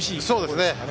そうですね。